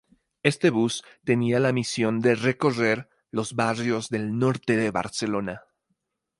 Este bus tenía la misión de recorrer los barrios del norte de Barcelona.